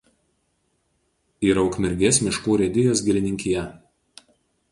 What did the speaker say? Yra Ukmergės miškų urėdijos girininkija.